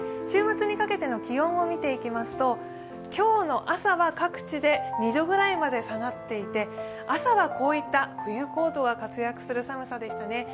週末にかけての気温を見ていきますと今日の朝は各地で２度ぐらいまで下がっていて朝はこういった冬コートが活躍する寒さでしたね。